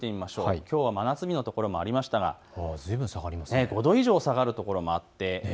きょうは真夏日の所もありましたが５度以上、下がる所もあります。